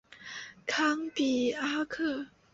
康比阿克。